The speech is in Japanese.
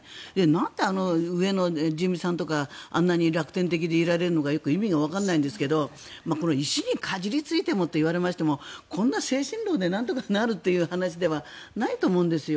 なんで、上の自見さんとかあんなに楽天的でいられるのかよく意味がわからないんですが石にかじりついてもといわれましてもこんな精神論でなんとかなるという話ではないと思うんです。